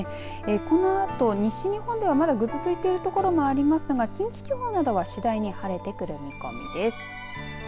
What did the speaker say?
このあと西日本ではまだぐずついている所もありますが近畿地方などは次第に晴れてくる見込みです。